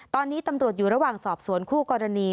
ตอนนี้ตำรวจอยู่ระหว่างสอบสวนคู่กรณี